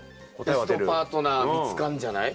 ベストパートナー見つかんじゃない？